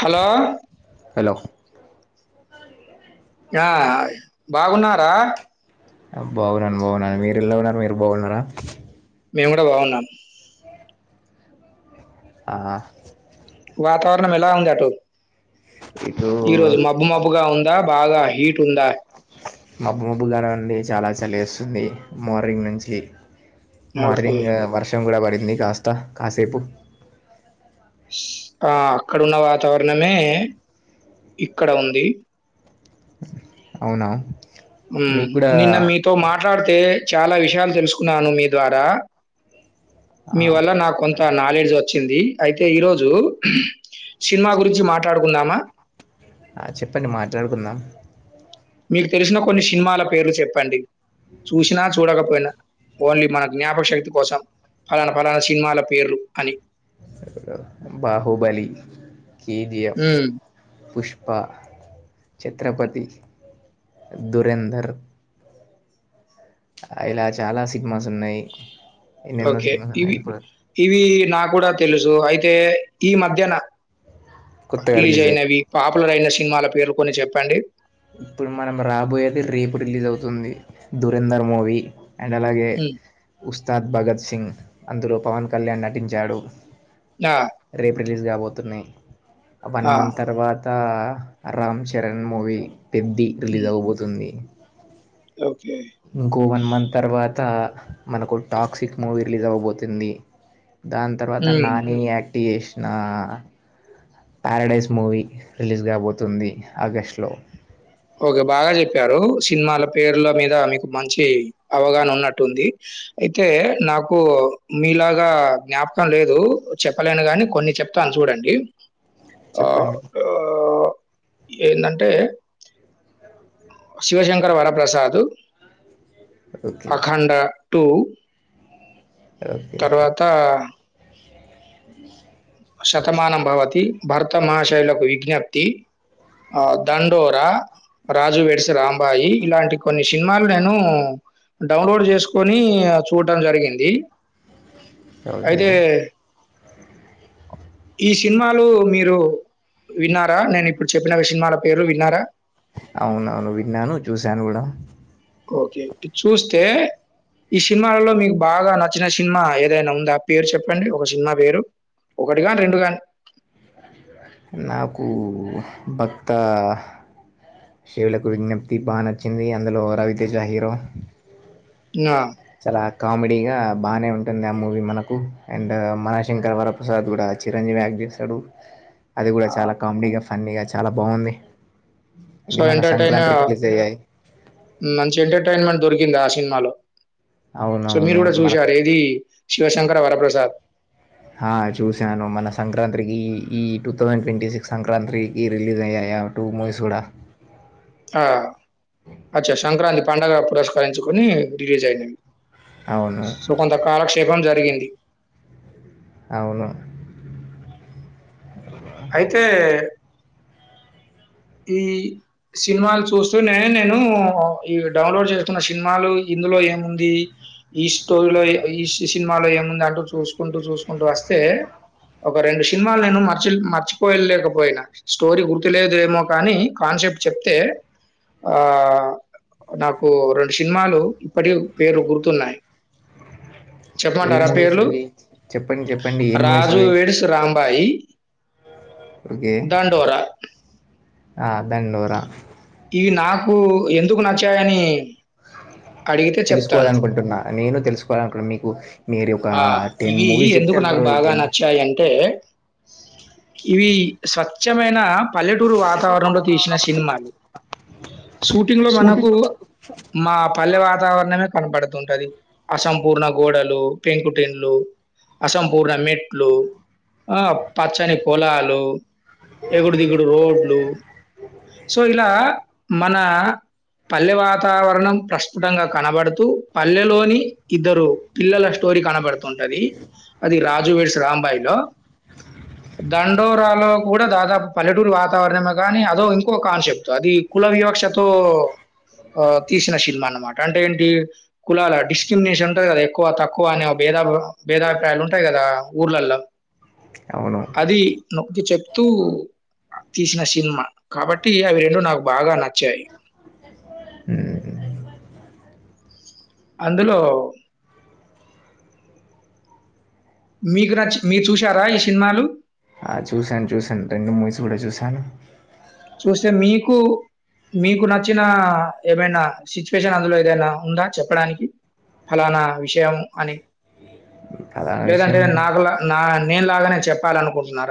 Hello hello ఆ బాగున్నారా బాగునను బాగునను మీరు ఏలా ఉన్నారు మీరు బాగున్నారా మేము గూడా బాగున్నాం అ ఆ వాతారణం ఎలా ఉంది అటు ఇటు ఈరోజు మబ్బు మబ్బు గా ఉందా బాగా హీట్ ఉందా మబ్బు మబ్బు కానివండి చాలా చలిస్తుంది మార్నింగ్ నుంచి ఓకే. మార్నింగ్ వర్షం గూడా పడింది కాస్త కాసేపు ష్ ఆ అక్కడ ఉన్న వాతావరణమే ఇక్కడ ఉంది అవునా హ్మ్ మీకు కూడా నిన్న మీతో మాట్లాడితే చాలా విషయాలు తెలుసుకున్నాను మీ ద్వారా ఆ మీ వల్ల నాకు కొంత చెప్పండి నాలెడ్జ్ వొ వచ్చింది అయితే ఈరోజు సినిమా గురించి మాట్లాడుకుందామా ఆ చెప్పండి మాట్లాడుకుందాం మీకు తెలిసిన కొన్ని సినిమాల పేర్లు చెప్పండి చూసినా చూడకపోయినా ఓన్లీ మన జ్ఞాపక శక్తి కోసం ఫలానా పలానా సినిమాల పేర్లు అని బాహుబలి కెజిఎఫ్ హ్మ్. పుష్ ప్ప ఛత్రపతి దురేందర్ ఇలా చాలా సినిమాస్ ఉన్నయ్ ఓకే ఇవి ఇవి నా గూడా తెలుసు అయిత్ తే ఈ మధ్యన కొత్తగా రిలీజ్ అయి అయినవి పాపులర్ అయిన సినిమాల పేరు కొన్ని చెప్పండి ఇప్పుడు మనం రాబోయేది రేపు రిలీజ్ అవుతుంది దురేంధర్ మూవీ అండ్ అలాగే హ్మ్. ఉస్తాద్ భగత్ సింగ్ అందులో పవన్ కళ్యాణ్ నటించాడు జ్ఞా రేపు రిలీజ్ కాబతున్నయ్ వన్ మంత్ తర్వాతా రామ్ చరణ్ మూవీ పెద్ది రిలీజ్ హ్మ్. అవ్వపోతుంది ఓకే. ఇంకో వన్ మంత్ తర్వాత్ తా మనకు టాక్సిక్ మూవీ రిలీజ్ అవ్వబోతుంది దాని తర్వాత హ్మ్. నాని యాక్ట్ చేసినా పారడైస్ మూవీ రిలీజ్ గాబోతుంది ఆగస్టులో ఓకే బాగా చెప్పారు సినిమాల పేర్ల మీద మీకు మంచి అవగాహన ఉన్నట్టుంది అయితే నాకు మీలాగా జ్ఞాపకం లేదు చెప్పలేను గాని కొన్ని చెప్ ప్తాను చూడండి ఆహ్, చెప్పండి ఆహ్, ఏందంటే Shivashankar Varaprasad okay Akhanda two okay తర్వాతా శతమానం భవతి భరతమహశైలకు విజ్ఞప్తి ఆ దండోరా రాజు వేడ్స్ రాంబాయి ఇలాంటి కొన్ని సినిమాలు నేను డౌన్లోడ్ చేసుకొని చూడం జరిగింది ఓకే అయితే ఈ సినిమాలు మీరు విన్నారా నేను ఇప్పుడు చెప్పిన సినిమాల పేరు విన్నారా అవునవును విన్నాను చూశాను గూడా ఓకే ఇ చూస్తే ఈ సినిమాలలో మీకు బాగా నచ్చిన సినిమా ఏదైనా ఉందా ఆ పేరు చెప్పండి ఒక సినిమా పేరు ఒకటి గాని రెండు గాని నాకు భక్తా శేయులకు విజ్ఞప్తి బా నచ్చింది, అందులో రవితేజ హీరో ఆ కామెడీ ఆ బానే ఉంటుంది ఆ మూవీ మనకు అండ్ మన శంకరవరప్రసాద్ గూడ చిరంజీవి యాక్ట్ చేస్తడు అది గూడ చాలా కామెడీగా, ఫన్నీగా చాలా బాగుంది. సో ఇది మన ఎంటర్టైన్ సంక్రాంతికి రిలీజ్ అయ్యాయి మంచి ఎంటర్టైన్మెంట్ దొరికిందా సినిమాలో సో మీరు అవునవును గూడా మనకు చూశారేది శివశంకర వరప్రసాద్ ఆ చూసాను మన సంక్రాంత్ త్రికి ఈ టూ థౌజండ్ ట్వంటీ సిక్స్ సంక్రాంతికి రిలీజ్ అయ్యాయా టూ మూవీస్ గుడా ఆ అచ్చా సంక్రాంతి పండగ పురస్కరించుకొని రిలీజ్ అయింది అవును సో కొంత కాలక్షేపం జరిగింది అవును అయితే ఈ సినిమాలు చూస్తూనే నేను ఈ డౌన్లోడ్ చేస్తున్న షిన్మాలు ఇందులో ఏముంది ఈ స్టోరీలో ఏ ఈ సినిమాలో ఏముంది అంటూ చూసుకుంటూ చూసుకుంటూ వస్తే ఒక రెండు షీన్మాలు నేను మర్చి మర్చిపోలేకపోయినా, స్టోరీ గుర్తు లేదు ఏమో కానీ కాన్సెప్ట్ చెప్తే ఆ నాకు రెండు సినిమాలు ఇప్పటిగె పేర్లు గుర్తున్నాయి ఏం చెప్పమంటరా మూవీస్ పేర్లు? అవి చెప్పండి చెప్పండి ఏం మూవీస్ రాజు అవి వేడ్స్ రామ్ బాయి, ఓకే దండోరా ఆ దండోరా ఇవి నాకు ఎందుకు నచ్చాయని అడిగితే చెప్తాను తెలుసుకోవాలనుకుంటున్నా నేను తెలుసుకోవాలనుకున్న మీకు మీరు ఒక ఆ టెన్ ఇవి మూవీస్ జెప్తే ఎందుకు నాకు బాగా నచ్చాయి అంటే ఇవి స్వచ్ఛమైన పల్లెటూరు వాతావరణంలో తీసిన సినిమాలు షూటింగ్ లో మనకు మా పల్లె వాతావరణ మే కనపడుతుంటది అసంపూర్ణ గోడలు, పెంకుటిన్లు అసంపూర్ణ మెట్లు, ఆ పచ్చని పొలాలు ఎగుడు దిగుడు రోడ్లు సో ఇలా మన పల్లె వాతావరణం ప్రస్ఫుటంగా కనబడుతూ పల్లెలోని ఇద్దరు పిల్లల స్టో టోరి కనబడుతుంటది అది రాజువేడ్స్ రాంబాయి లో దండోరాలో కూడా దాదాపు పల్లెటూరు వాతావరణమే గానీ అదో ఇంకొక కాన్సెప్ట్ అది కుల వివక్షతో ఆ తీషిన శిల్మా అన్నమాట అంటే ఏంటి కులాల డిస్ట్రీమినేషన్ ఉంటంది గదా ఎక్కువ తక్కువ అనే ఒ భేదా భేదాభిప్రాయాలు ఉంటాయి గదా ఊర్లల్ల అవును అది నొక్కి చెప్తూ తీసిన షీన్మా కాబట్టి అవి రెండు నాకు బాగా నచ్చాయి ఉమ్ అందులో మీకు నచ్చి మీరు చూశారా ఈ షీన్మాలు? ఆ చూశాను చూశాను రెండు మూవీస్ గూడ చూశాను చూస్తే మీకు మీకు నచ్చినా ఏమైనా సిచ్యువేషన్ అందులో ఏదైనా ఉందా చెప్పడానికి? ఫలానా విషయం అని, ప్రధాన విషయం లేదంటే మనం నాకులా నా నేనులాగానే చెప్పాలనుకుంటున్నార?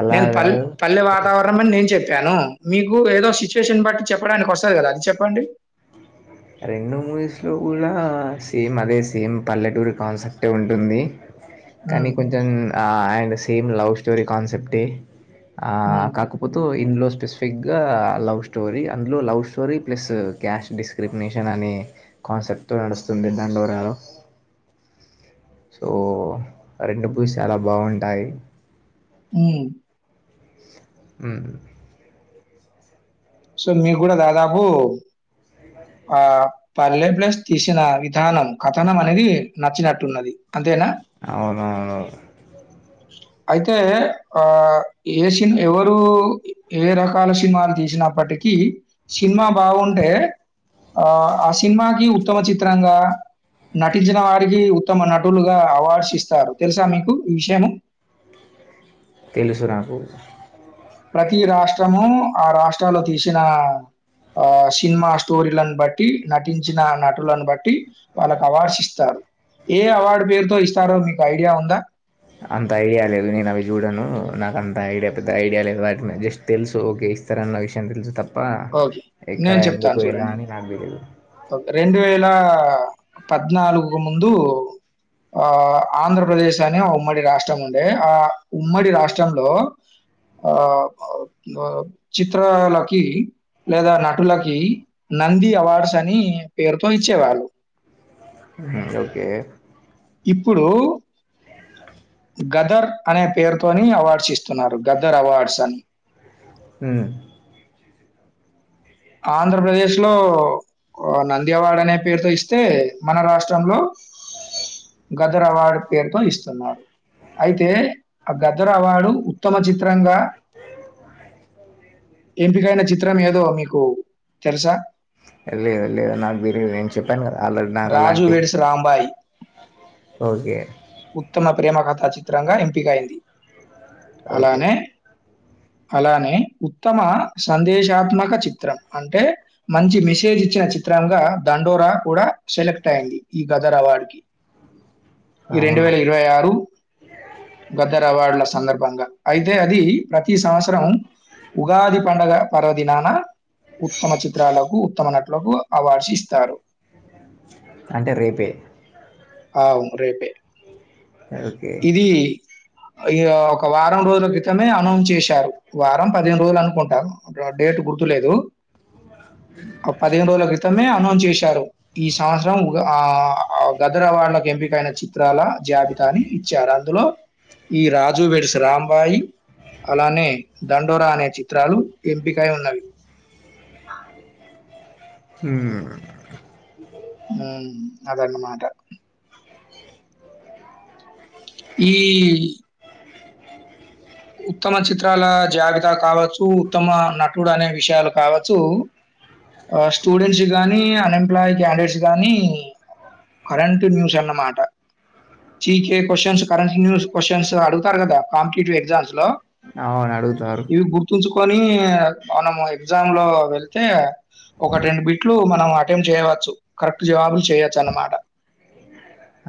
అలా నేను పల్ కాదు పల్లె వా అదే నేను చెప్పాను మీకు ఏదో సిచ్యుయేషన్ బట్టి చెప్పడానికొస్తది గదా అది చెప్పండి రెండు మూవీస్ లో గూడా సేమ్ అదే సేమ్ పల్లెటూరి కాన్సెప్టే ఉంటుంది కనీ హ్మ్. కొంచెం ఆ అండ్ సేమ్ లవ్ స్టోరీ కాన్సెప్టే ఆ హ్మ్. కాకపోతే ఇంలో స్పెసిఫిక్ గా లవ్ స్టోరీ అందులో love story plus cash discrimination అనే కాన్సెప్ట్తో నడుస్తుంది దండోరాలో సో రెండు పూజ చాలా బాగుంటాయి అ అ సో మీరు కూడా దాదాపు ఆ పల్లె ప్లస్ తీసిన విధానం కథనం అనేది నచ్చినట్టున్నది అంతేనా? అవు అయితే ఆ ఏ సిని ఎవరు ఏ రకాల సినిమాలు తీసిన అప్పటికి సినిమా బాగుంటే ఆ ఆ సినిమాకి సత్తమ చిత్రంగా నటించిన వారికి ఉత్తమ నటులుగా అవార్డ్స్ ఇస్తారు తెలుసా మీకు ఈ విషయము తెలుసునాకు ప్రతి రాష్ట్రము ఆ రాష్ట్రాలో తీసిన ఆ సినిమా స్టోరీలను బట్టి నటించిన నటులను బట్టి వాళ్ళకి అవార్డ్స్ ఇస్తారు ఏ అవార్డు పేరుతో ఇస్తారో మీకు ఐడియా ఉందా అంత ఐడియా లేదు నేను అవి చూడను నాకు అంత ఐడియా పెద్ద ఐడియా లేదు వాటి మీద జస్ట్ తెలుసు ఓకే ఇస్తారన్న విషయం తెలుసు తప్ప ఓకే. ఎక్కడ ఎందుకు ఎలా అని నాకు తెలీదు రెండు వేల పద్నాలుగుకు ముందు ఆ ఆంధ్రప్రదేశ్ అని ఆ ఉమ్మడి రాష్ట్రం ఉండే ఆ ఉమ్మడి రాష్ట్రంలో ఆ చిత్రాలకి లేదా నటులకి నంది అవార్డ్స్ అని పేరుతో ఇచ్చేవాళ్ళు ఓకే ఇప్పుడు గదర్ అనే పేరుతోని అవార్డ్స్ ఇస్తున్నారు గదర్ అవార్డ్స్ అని అ ఆంధ్రప్రదేశ్ లో నంది అవార్డ్ అనే పేరుతో ఇస్తే మన రాష్ట్రంలో గదర్ అవార్డ్ పేరుతో ఇస్తున్నారు అయితే ఆ గదర్ అవార్డు ఉత్తమ చిత్రంగా ఎంపికైన చిత్ర చిత్రం ఏదో మీకు తెలుసా లేదు లేదు నాకు తెలీదు నేను చెప్పాను కదా ఆల్రెడీ నాకు 'రాజు అలాంటివి వెడ్స్ రాంబాయి' ఓకే ఉత్తమ ప్రేమ కథా చిత్రంగా ఎంపికయింది ఓకే అలానే అలానే ఉత్తమ సందేశాత్మక చిత్రం అంటే మంచి మెసేజ్ ఇచ్చే చిత్రంగా దండోరా కూడా సెలెక్ట్ అయింది ఈ గదర్ అవార్డు కి ఈ రెండు అవునా వేల ఇరవై ఆరు గద్దరవార్డుల సందర్భంగా అయితే అది ప్రతి సంవత్సరం ఉగాది పండుగ పర్వదినానఆ ఉత్తమ చిత్రాలకు ఉత్తమ నటులకు అవార్డ్స్ ఇస్తారు అంటే రేపే ఆ ఉ రేపే ఓకే ఆ ఇగ వారం రోజుల క్రితమే అనౌన్స్ చేశారు వారం పదిహేను రోజులు అనుకుంటారు డేట్ గుర్తులేదు ఆ పదిహేను రోజుల క్రితమే ఆ ఆ చేశారు ఈ సంవత్సరం గత హైదరాబార్డులకు ఎంపికైన చిత్రాల జాబితాని ఇచ్చారు అందులో ఈ రాజు వేడ్స్ రాంబాయి అలానే దండోరా అనే చిత్రాలు ఎంపికై ఉన్నవి ఉ ఉ అదన్నమాట ఈ ఉత్తమ చిత్రాల జాబితా కావచ్చు, ఉత్తమ నటుడు అనే విషయాలు కావచ్చు, అ స్టూడెంట్స్ గానీ అన్ఎంప్లాయ క్యాండివేట్స్ గాని కరెంట్ న్యూస్ అన్నమాట జికె క్వశ్చన్స్, కరంటన్యూ క్వ్చన్స్, అడుగుతరు కదా కంపిటేటివ్, ఎ్జామ్స్ అవును అడుగుతారు. కోని మనం ఎగ్జామ్ లో వెళ్తే ఒకటి రెండు బిట్లు మనం అటెంట్ చేయవచ్చు కరెక్ట్ జవాబులు చేయొచ్చు అన్నమాట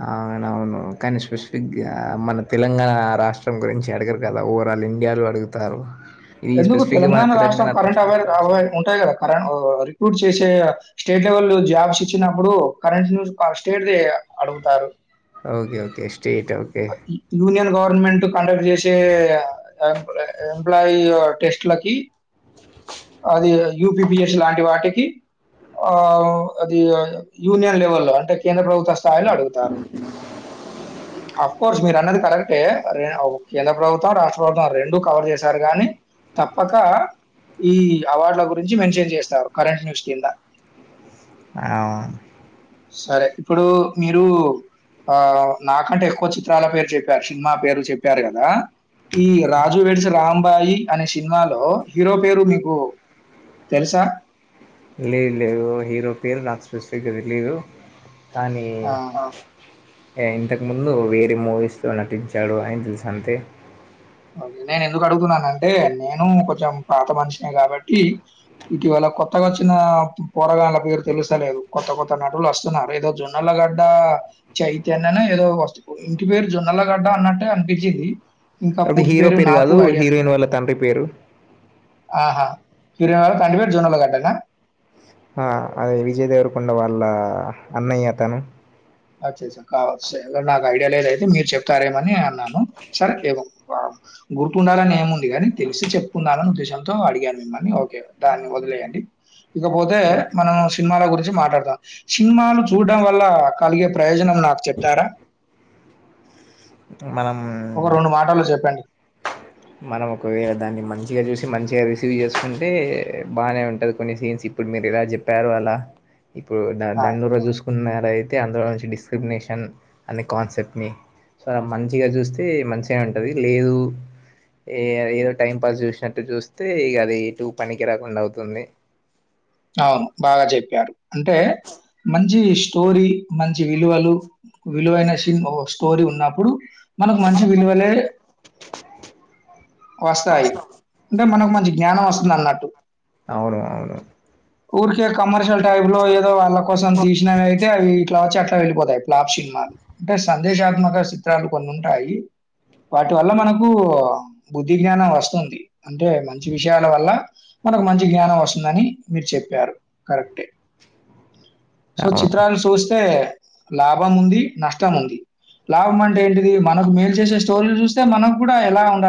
అవునవును కానీ స్పెసిఫిక్గా మన తెలంగాణ రాష్ట్రం గురించి అడగరు కదా ఓవరాల్ ఇండియాలో అడుగుతారు. ఇది ఎందుకు స్పెసిఫిక్గా మన తెలంగాణ రాష్ట్రం కరెంట్ అవ అవ గురించి ఉంటాయి. కదా కరెం రిక్రూట్ చేసే స్టేట్ లెవెల్ జాబ్స్ ఇచ్చినప్పుడు కరెంట్ న్యూస్ స్టాట్ అడుగుతారు. ఓకే ఓకే ష్ యూనియన్ గవర్నమెంట్ కండక్ట్ చేసే ఎ ఎంప్లాయ టెస్ట్లకి అది యూపి పిఎచ్ లాంటి వాటికి ఆ అది యూనియన్ లెవె లో అంటే కేంద్ర ప్రభుత్వ స్థాయిలో అడుగుతారు. [unintelligible] అఫ్ కోర్స్ మీరు అన్నది కరెక్టే కేంద్ర ప్రభుత్వం రాష్ట్ర ప్రభుత్వం రెండు కవర్ చేశారు, గానీ తప్పక ఈ అవార్డుల గురించి మెన్షన్ చేస్తారు, కరెంట్ న్యూస్ కింద ఆ సరే ఇప్పుడు మీరు ఆ నాకంటే ఎక్కువ చిత్రాల పేరు చెప్పారు సినిమా పేరు చెప్పారు కదా, ఈ రాజు వేడ్సి రాంబాయి అనే సినిమాలో హీరో పేరు మీకు తెలుసా లేదు లేదు హీరో పేరు నాట్ స్పెసిఫిక్ అది లేదు కానీ ఆ! ఆ ఇంతకుముందు వేరే మూవీలో నటించాడు అని తెలుసు అంతే, నేను ఎందుకు అడుగుతున్నాన అంటే నేను కొంచెం పాత మనిషినే కాబట్టి ఇటీవల కొత్త ఇ వచ్చిన పోరగాళ్ల పేరు తెలుసలేదు కొత్త కొత్త నటులు వస్తున్నారు, ఏదో జొన్నల గడ్డ చైతన్యనే ఏదో వస్తు ఇంటి పేరు జొన్నల గడ్డ అన్నట్టే అనిపించిది. అది హీరో పేరు కాదు హీరోయిన్ వాళ్ళ తండ్రి పేరు ఆహా సూర్య వాళ్ల తండ్రి పేరు జొన్నల గడ్డన ఆ అదే విజయ్ దేవరకొండ వాళ్ళ అన్నయ్య అతను అచ్చ అచ్చ కావచ్చు స నాకు ఐడియా లేదయితే మీరు చెప్తారేమని అన్నాను సరే గుర్తుండాలని ఏముంది కాని తెలిసి చెప్పుకుందాలని ఉద్దేశంతో అడిగాను మిమ్మల్ని ఓకే దాన్ని వదిలేయండి. ఇకపోతే ఓకే. మనం సినిమాల గురించి మాట్లాడతాం సినిమాలు చూడటడం వల్ల కలిగే ప్రయోజనం నాకు చెప్పారా, మనం ఒక రెండు మాటలు చెప్పండి. మనం ఒకవేళ దాన్ని మంచిగా చూసి మంచిగా రిసీవ్ చేసుకుంటే బాగానే ఉంటది కొన్ని సీన్స్ ఇప్పుడు మీరు ఇలా చెప్పారు అలా ఇప్పుడు ఆ! దండూ ర చూసుకు అలా అయితే అందులో నుంచి డిస్క్రిమినేషన్ అనే కాన్సెప్ట్ని స మంచిగా చూస్తే మంచిగా ఉంటది లేదు ఏ ఏదో టైం పాస్ చూసినట్టు చూస్తే ఇక అది ఎటు పనికి రాకుండా అవుతుంది. అవును బాగా చెప్పారు అంటే మంచి స్టోరీ మంచి విలువలు, విలువైనన్ స్టోరీ ఉన్నప్పుడు మనకు మంచి విలువలే వస్తాయి అంటే మనకు మంచి జ్ఞానం వస్తుంది అన్నట్టు అవును అవును ఊరికే కమర్షియల్ టైప్ లో ఏదో వాళ్ళ కోసం తీసినవి అయితే అవి అట్లా వచ్చి అట్లా వెళ్ళిపోతాయి ప్లాప్ సినిమాలు అంటే సందేశాత్మక చిత్రాలు కొన్ని ఉంటాయి వాటి వల్ల మనకు బుద్ధి జ్ఞానం వస్తుంది అంటే మంచి విషయాల వల్ల మనకు మంచి జ్ఞానం వస్తుందని మీరు చెప్ప ప్పారు కరెక్ే సో అవును చిత్రాలను చూస్తే లాభం ఉంది నష్టం ఉంది లాభం అంటే ఏంటిది మనకు మెయిల్ చేసే స్టోరీలు చూస్తే మనకు కూడా ఎలా ఉండాలి